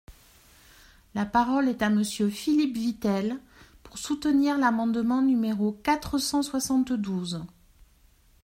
La parole est à Monsieur Philippe Vitel, pour soutenir l’amendement numéro quatre cent soixante-douze.